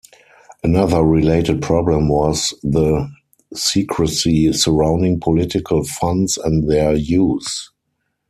Another related problem was the secrecy surrounding political funds and their use.